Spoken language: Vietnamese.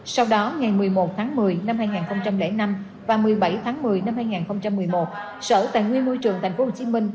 sau đó ngày một mươi một tháng một mươi năm hai nghìn năm và một mươi bảy tháng một mươi năm hai nghìn một mươi một sở tài nguyên môi trường tp hcm